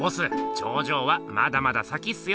頂上はまだまだ先っすよ！